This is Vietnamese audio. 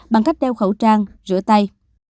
bằng cách đeo khẩu trang rửa tay